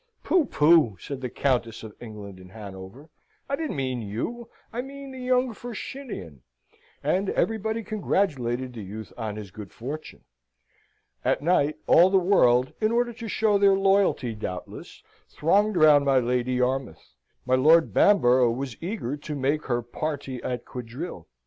"Pooh! pooh!" said the Countess of England and Hanover, "I don't mean you. I mean the young Firshinian!" And everybody congratulated the youth on his good fortune. At night, all the world, in order to show their loyalty, doubtless, thronged round my Lady Yarmouth; my Lord Bamborough was eager to make her parti at quadrille.